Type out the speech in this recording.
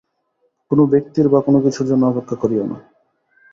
কোন ব্যক্তির বা কোন কিছুর জন্য অপেক্ষা করিও না।